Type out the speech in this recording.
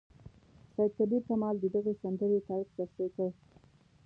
سید کبیر کمال د دغې سندرې طرز تشریح کړ.